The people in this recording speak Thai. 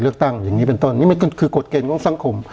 เลือกตั้งอย่างนี้เป็นต้นนี่มันก็คือกฎเกณฑ์ของสังคม